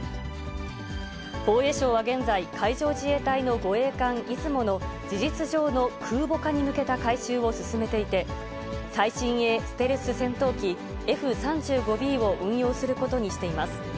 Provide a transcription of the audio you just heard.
防衛省は現在、海上自衛隊の護衛艦いずもの事実上の空母化に向けた改修を進めていて、最新鋭ステルス戦闘機、Ｆ３５Ｂを運用することにしています。